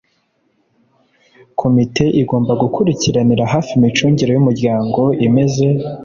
komite igomba gukurikiranira hafi imicungire y’umuryango imeze